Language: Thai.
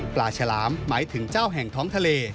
ฉลามหมายถึงเจ้าแห่งท้องทะเล